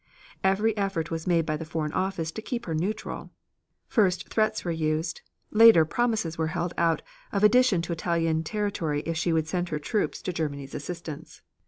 Every effort was made by the foreign office to keep her neutral. First threats were used, later promises were held out of addition to Italian territory if she would send her troops to Germany's assistance.